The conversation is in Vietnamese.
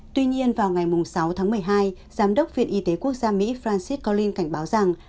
tuy nhiên vào ngày sáu tháng một mươi hai giám đốc viện y tế quốc gia mỹ francis corld cảnh báo rằng